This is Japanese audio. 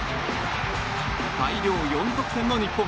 大量４得点の日本。